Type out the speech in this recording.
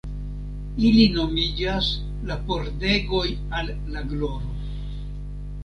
Ili nomiĝas la Pordegoj al la Gloro.